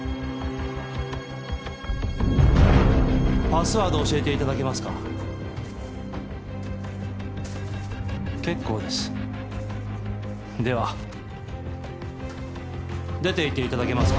パスワード教えていただけますか結構ですでは出ていっていただけます